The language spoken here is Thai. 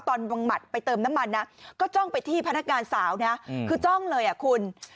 ตอนหมัดไปเติมน้ำมันนะก็จ้องไปที่พนักงานสาวนะคือจ้องเลยอ่ะคุณ